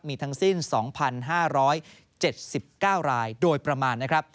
มีทั้งสิ้น๒๕๗๙รายโดยประมาณนะครับ